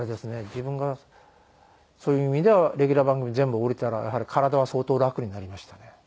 自分がそういう意味ではレギュラー番組全部降りたらやはり体は相当楽になりましたね。